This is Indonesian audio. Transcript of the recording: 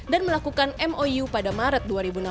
dan melakukan mou pada maret dua ribu enam belas